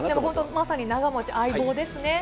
まさに長持ち、相棒ですね。